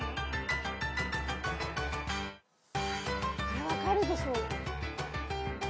これ分かるでしょ。